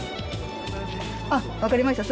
あっ分かりました